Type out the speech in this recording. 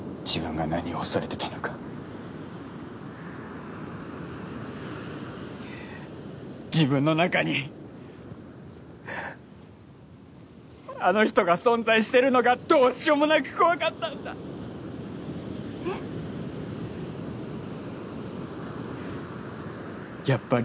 自分が何を恐れてたのか自分の中にあの人が存在してるのがどうしようもなく怖かったんだえっ？